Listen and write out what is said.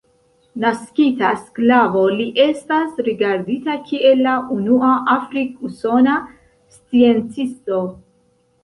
Naskita sklavo, li estas rigardita kiel la unua afrik-usona sciencisto.